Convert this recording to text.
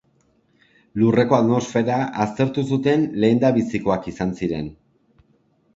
Lurreko atmosfera aztertu zuten lehendabizikoak izan ziren.